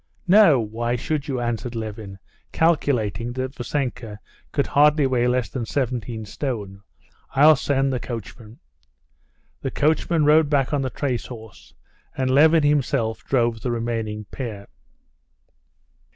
"No, why should you?" answered Levin, calculating that Vassenka could hardly weigh less than seventeen stone. "I'll send the coachman." The coachman rode back on the trace horse, and Levin himself drove the remaining pair.